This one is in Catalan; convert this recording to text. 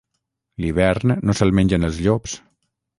L'hivern no se'l mengen els llops.